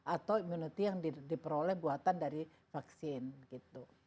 atau immunity yang diperoleh buatan dari vaksin gitu